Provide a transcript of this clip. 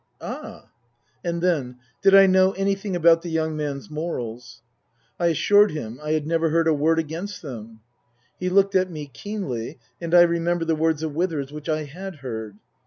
" Ah !" And then : Did I know anything about the young man's morals ? I assured him I had never heard a word against them. He looked at me keenly and I remembered the words of Withers which I had heard.